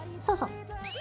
そうそう。